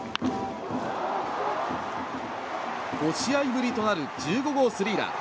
５試合ぶりとなる１５号スリーラン。